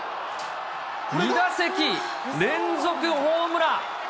２打席連続ホームラン。